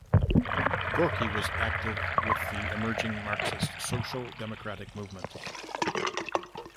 Gorky was active with the emerging Marxist social-democratic movement.